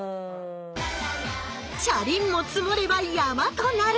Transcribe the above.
「チャリンも積もれば山となる！」